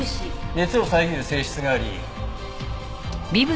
熱を遮る性質があり。